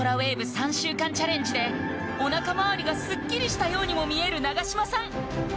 ３週間チャレンジでおなかまわりがスッキリしたようにも見える永島さん